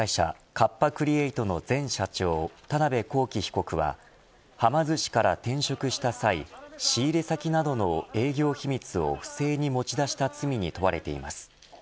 カッパ・クリエイトの前社長田辺公己被告ははま寿司から転職した際仕入れ先などの営業秘密を不正に持ち出した罪に問われています。